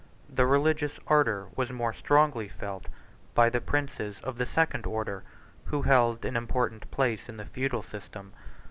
The religious ardor was more strongly felt by the princes of the second order, who held an important place in the feudal system.